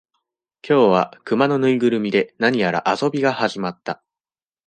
今日は、熊の縫いぐるみで、何やら遊びが始まった。